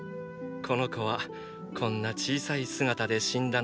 この子はこんな小さい姿で死んだのだな。